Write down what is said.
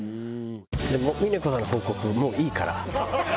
でも峰子さんの報告もういいから。